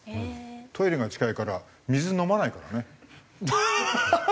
トイレが近いから水飲まないからね。ハハハ！